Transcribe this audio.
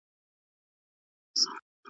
کېدای سي ليکنه سخته وي